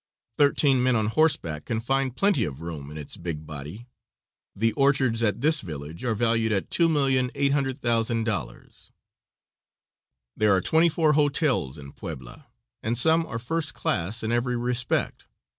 Thirteen men on horseback can find plenty of room in its big body. The orchards at this village are valued at $2,800,000. There are twenty four hotels in Puebla, and some are first class in every respect.